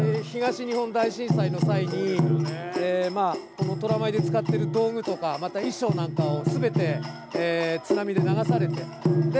東日本大震災の際に虎舞で使っている道具とか衣装なんかを、すべて津波で流されて。